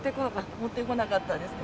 持ってこなかったですね。